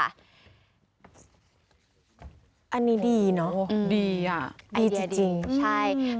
อันนี้ดีเนาะดีจริง